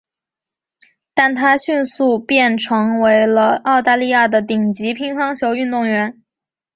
但她迅速变成为了澳大利亚的顶级乒乓球运动员。